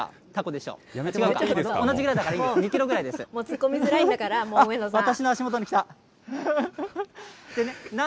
もう突っ込みづらいんだから、もう、上野さん。